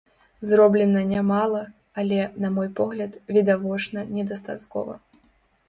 Зроблена нямала, але, на мой погляд, відавочна недастаткова.